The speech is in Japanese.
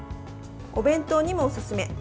お弁当にもおすすめ。